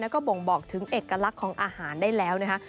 แล้วก็บ่งบอกถึงเอกลักษณ์ของอาหารได้แล้วนะคะ